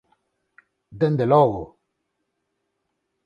Dende logo!